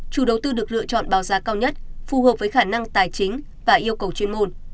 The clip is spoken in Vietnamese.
chủ đầu tư được lựa chọn báo giá cao nhất phù hợp với khả năng tài chính và yêu cầu chuyên môn